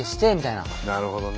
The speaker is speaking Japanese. なるほどね。